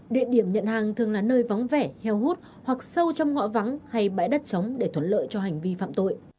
địa điểm nhận hàng thường là nơi vắng vẻ heo hút hoặc sâu trong ngõ vắng hay bãi đất chống để thuận lợi cho hành vi phạm tội